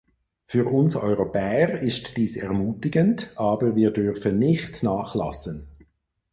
Für uns Europäer ist dies ermutigend, aber wir dürfen nicht nachlassen.